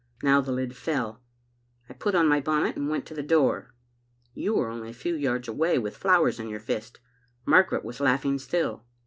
Now the lid fell. I put on my bonnet and went to the door. You were only a few yards away, with flowers in your fist. Margaret was laughing still.